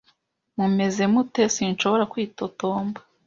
"Mumeze mute?" "Sinshobora kwitotomba."